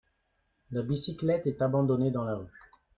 La bicyclette est abandonnée dans la rue